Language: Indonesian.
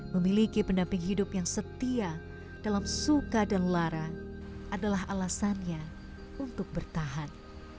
memiliki pendamping hidup yang setia dalam suka dan lara adalah alasannya untuk bertahan